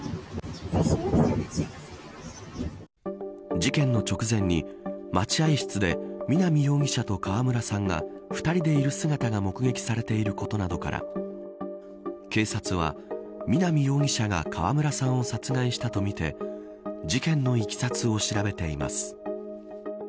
事件の直前に待合室で南容疑者と川村さんが２人でいる姿が目撃されていることなどから警察は南容疑者が川村さんを殺害したとみて事件のいきさつを調べています。